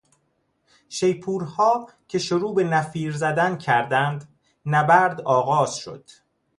شیپورها که شروع به نفیر زدن کردند، نبرد آغاز شد.